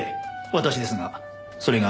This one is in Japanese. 私ですがそれが何か？